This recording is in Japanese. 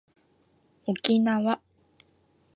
おきなわ